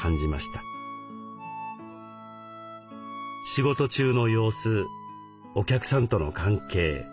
仕事中の様子お客さんとの関係。